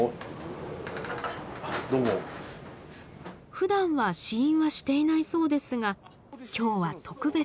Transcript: ふだんは試飲はしていないそうですが今日は特別。